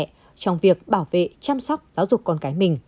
trong việc bảo vệ chăm sóc giáo dục con cái mình